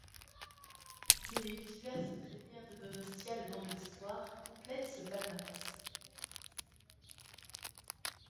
Les diverses trainières de Donostia le long de l'histoire complètent ce palmarès.